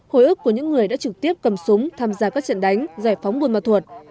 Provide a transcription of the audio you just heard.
hồi ức của những người đã trực tiếp cầm súng tham gia các trận đánh giải phóng buôn ma thuột